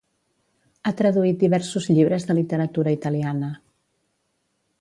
Ha traduït diversos llibres de literatura italiana.